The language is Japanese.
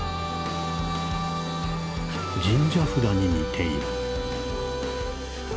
「神社札に似ている。」。